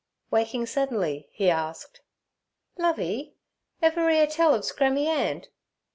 Waking suddenly, he asked: 'Lovey, ever 'ear tell of Scrammy 'And?'